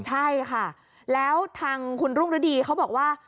ใช่ค่ะแล้วทางคุณรุ่งฤดีเขาบอกว่า